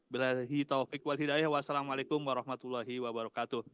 bilahi taufiq wal hidayah wassalamu alaikum warahmatullahi wabarakatuh